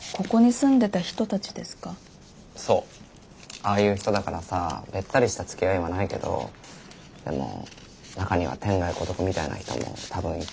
ああいう人だからさベッタリしたつきあいはないけどでも中には天涯孤独みたいな人も多分いて。